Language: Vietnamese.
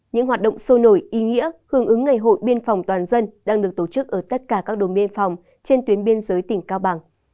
những hoạt động sôi nổi ý nghĩa hướng ứng ngày hội biên phòng toàn dân đang được tổ chức ở tất cả các đồn biên phòng trên tuyến biên giới tỉnh cao bằng